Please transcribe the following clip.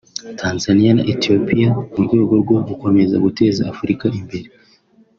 Tanzania na Ethiopia mu rwego rwo gukomeza guteza Afurika imbere